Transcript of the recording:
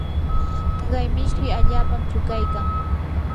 taqay mishi allaapam chuqaykan.